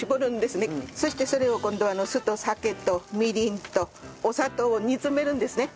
そしてそれを今度酢と酒とみりんとお砂糖を煮詰めるんですね。